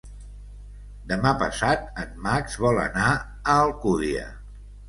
Demà passat en Max vol anar a Alcúdia.